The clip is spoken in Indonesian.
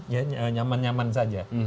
ya nyaman nyaman saja